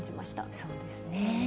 そうですね。